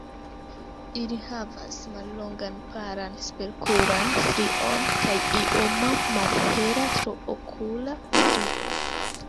Ili havas mallongan palan superokulan strion kaj ioma malhela traokula strio.